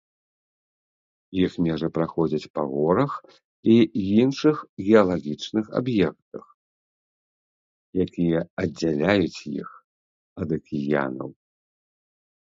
Іх межы праходзяць па горах і іншых геалагічных аб'ектах, якія аддзяляюць іх ад акіянаў.